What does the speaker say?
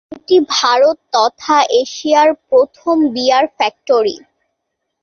এটি ভারত তথা এশিয়ার প্রথম বিয়ার ফ্যাক্টরি।